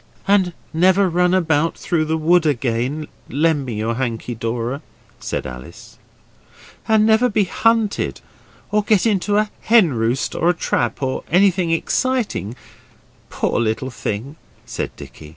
'And never run about through the wood again, lend me your hanky, Dora' said Alice. 'And never be hunted or get into a hen roost or a trap or anything exciting, poor little thing,' said Dicky.